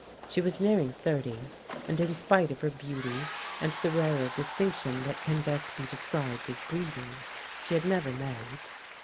She was nearing thirty, and in spite of her beauty and the rarer distinction that can best be described as breeding, she had never married.